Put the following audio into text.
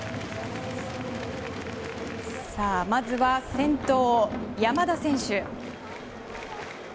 まずは、先頭の山田選手。